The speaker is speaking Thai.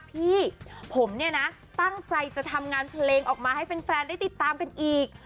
พี่ผมเนี่ยนะตั้งใจจะทำงานเพลงออกมาให้แฟนได้ติดตามกันอีก